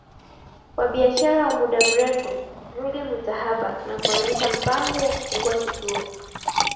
wa biashara wa muda mrefu Ruge Mutahaba na kuanzisha mpango wa kufungua kituo